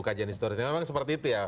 kajian historisnya memang seperti itu ya